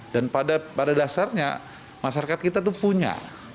dan pada dasarnya masyarakat kita itu punya